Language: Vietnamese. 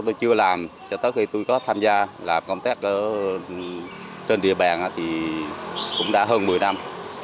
tôi chưa làm cho tới khi tôi có tham gia làm công tác ở trên địa bàn thì cũng đã hơn một mươi năm